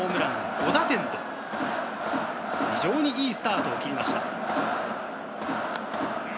５打点と非常にいいスタートを切りました。